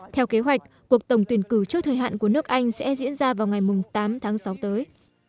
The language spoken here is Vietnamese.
theo kế hoạch cuộc tổng tuyển cử trước thời hạn của nước anh sẽ diễn ra vào ngày tám tháng sáu tới